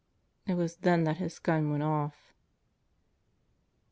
It was then that his gun went off.